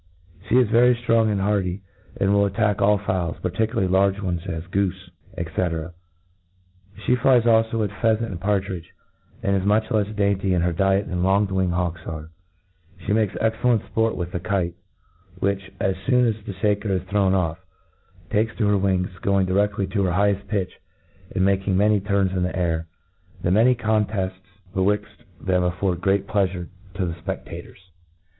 She is very ftrong and hardy, and will attack all fowls, particularly large ones, as goofe, &C4 She flies alfo at pheafent and partridge j and is much lefs dainty in her diet than k>ng winged hawks are* She rnakcs cxccU lent fport with the kite, which, as foon as the faker is thrown off, takes to her wings, gomg direaiy to her higbeft pitch, and making many turns in the air. The many contefts betwixt them afibrd great pleafure to the fpc^ators.